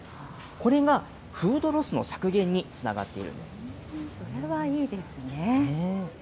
これが、フードロスの削減につなそれはいいですね。